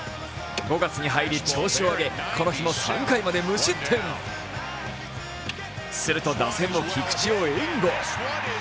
５月に入り、調子を上げこの日も３回まで無失点すると、打線も菊池を援護！